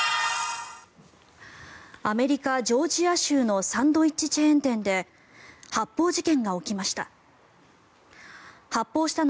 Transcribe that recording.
アメリカ・ジョージア州のサンドイッチチェーン店で発砲事件が起きました。